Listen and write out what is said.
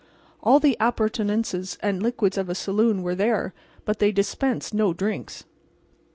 All the appurtenances and liquids of a saloon were there, but they dispensed no drinks.